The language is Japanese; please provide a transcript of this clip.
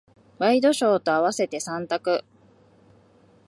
ワイドショーと合わせて三択。